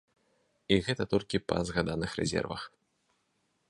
І гэта толькі па згаданых рэзервах.